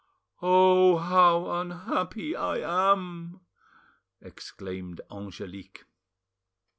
"Oh! how unhappy I am!" exclaimed Angelique.